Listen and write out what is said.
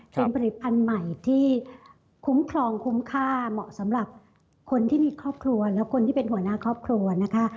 เป็นผลิตภัณฑ์ใหม่ที่คุ้มครองคุ้มค่าเหมาะสำหรับคนที่มีครอบครัวและคนที่เป็นหัวหน้าครอบครัวนะคะ